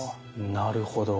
なるほど。